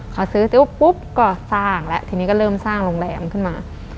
เขาซื้อซิปปุ๊บก็สร้างแล้วทีนี้ก็เริ่มสร้างโรงแรมขึ้นมา